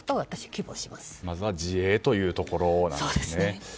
まずは自衛というところですね。